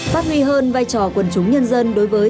phát huy hơn vai trò quần chúng nhân dân đối với